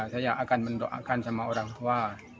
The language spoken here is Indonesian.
saya akan mendoakan sama orang tua